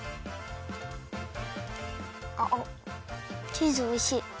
チーズおいしい！